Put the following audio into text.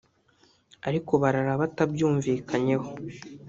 ariko barara batabyumvikanyeho